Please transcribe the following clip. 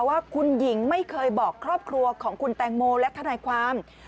ว่าคุณหญิงไม่เคยบอกครอบครัวของคุณแตงโมและทนายความ